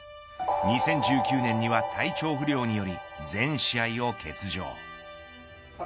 ２０１９年には体調不良により全試合を欠場。